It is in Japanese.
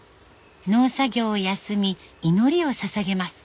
農作業を休み祈りをささげます。